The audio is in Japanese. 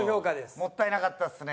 もったいなかったですね。